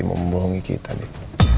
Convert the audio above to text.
mau membohongi kita dik